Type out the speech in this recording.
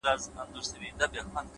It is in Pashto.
• په ارغوان به ښکلي سي غیږي ,